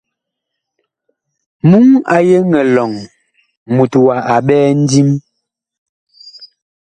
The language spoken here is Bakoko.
Muŋ a yeŋ elɔŋ mut wa a ɓɛɛ ndim.